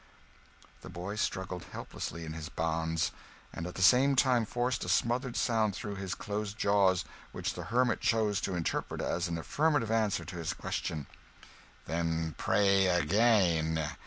The boy struggled helplessly in his bonds, and at the same time forced a smothered sound through his closed jaws, which the hermit chose to interpret as an affirmative answer to his question. "Then pray again.